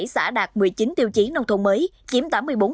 bốn mươi bảy xã đạt một mươi chín tiêu chí nông thôn mới chiếm tám mươi bốn